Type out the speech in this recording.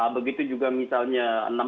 begitu juga misalnya enam puluh enam